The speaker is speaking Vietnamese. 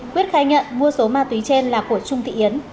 quyết khai nhận mua số ma túy trên là của trung thị yến